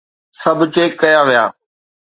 سڀ چيڪ ڪيا ويا